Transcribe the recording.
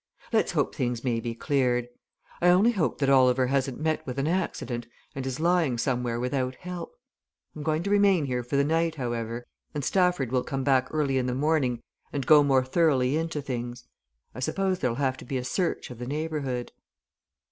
"Let's hope things may be cleared. I only hope that Oliver hasn't met with an accident and is lying somewhere without help. I'm going to remain here for the night, however, and Stafford will come back early in the morning and go more thoroughly into things I suppose there'll have to be a search of the neighbourhood."